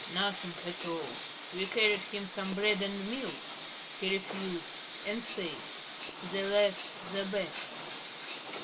"Nothing at all. We carried him some bread and milk he refused it, and said: 'The less the better.'"'